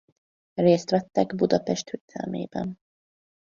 Részt vettek Budapest védelmében.